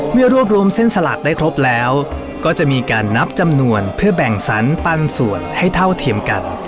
เมื่อรวบรวมเส้นสลากได้ครบแล้วก็จะมีการนับจำนวนเพื่อแบ่งสรรปันส่วนให้เท่าเทียมกัน